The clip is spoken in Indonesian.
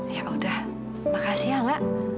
ya udah makasih ya lak